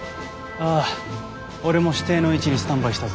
ああ俺も指定の位置にスタンバイしたぞ。